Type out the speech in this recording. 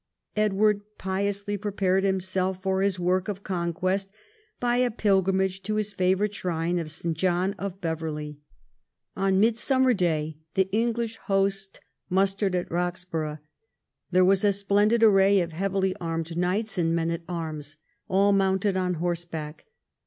Edward piously prepared himself for his work of conquest by a pilgrimage to his favourite shrine of St. John of Beverley. On Midsummer Day the English host mustered at Roxburgh. There was a splendid array of heavily armed knights and men at arms, all mounted on horseback.